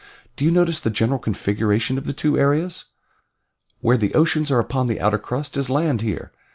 Do you notice the general configuration of the two areas? Where the oceans are upon the outer crust, is land here.